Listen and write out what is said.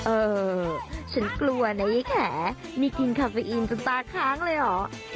เออฉันกลัวนะยายแขมีกินคาเฟอีนคุณตาค้างเลยเหรอ